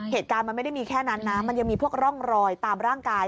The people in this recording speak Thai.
เหตุการณ์มันไม่ได้มีแค่นั้นนะมันยังมีพวกร่องรอยตามร่างกาย